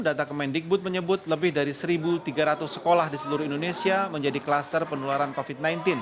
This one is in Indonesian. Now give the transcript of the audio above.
data kemendikbud menyebut lebih dari satu tiga ratus sekolah di seluruh indonesia menjadi kluster penularan covid sembilan belas